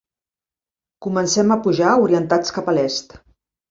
Comencem a pujar orientats cap a l'est.